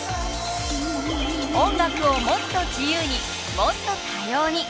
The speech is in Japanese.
音楽をもっと自由にもっと多様に。